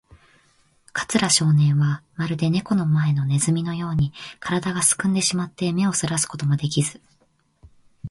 桂少年は、まるでネコの前のネズミのように、からだがすくんでしまって、目をそらすこともできず、